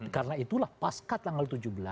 karena itulah pasca tanggal tujuh belas